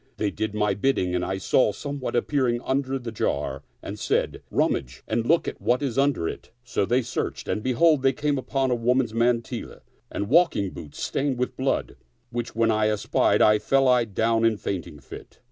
They did my bid ding and I saw somewhat appearing under the jar and said, " Rummage and look at what is under it." So they searched, and behold, they came upon a woman's mantilla and walk ing boots stained with blood, which when I espied, I fell down in a fainting fit.